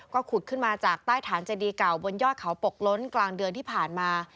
ก็ขุดขึ้นมาจากใต้ฐานเจดีเก่าบนยอดเขาปกล้นกลางเดือนที่ผ่านมา